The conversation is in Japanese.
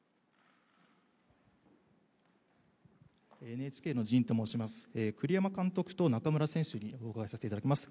ＮＨＫです、栗山監督と中村選手にお伺いさせていただきます。